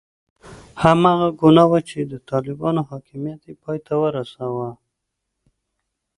هماغه ګناه وه چې د طالبانو حاکمیت یې پای ته ورساوه.